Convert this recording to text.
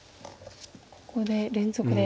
ここで連続で。